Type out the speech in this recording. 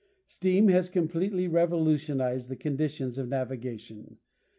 Steam has completely revolutionized the conditions of navigation.